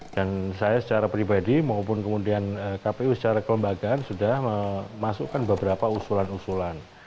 dan saya secara pribadi maupun kemudian kpu secara kelembagaan sudah memasukkan beberapa usulan usulan